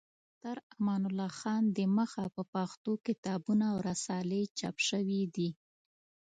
تر امان الله خان د مخه په پښتو کتابونه او رسالې چاپ شوې دي.